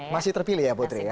masih terpilih ya putri ya